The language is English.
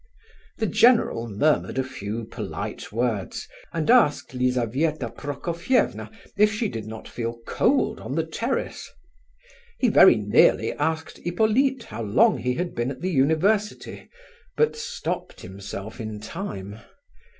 The general murmured a few polite words, and asked Lizabetha Prokofievna if she did not feel cold on the terrace. He very nearly asked Hippolyte how long he had been at the University, but stopped himself in time.